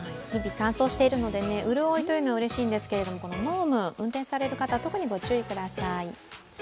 日々乾燥しているので、潤いはうれしいんですけれども、この濃霧、運転される方、特にご注意ください。